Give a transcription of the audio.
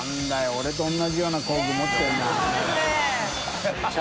俺と同じような工具持ってるな。